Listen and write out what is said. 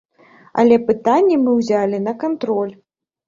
Але пытанне мы ўзялі на кантроль.